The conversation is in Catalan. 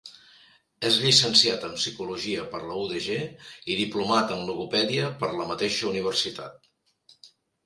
És llicenciat en Psicologia per la UdG i diplomat en Logopèdia per la mateixa Universitat.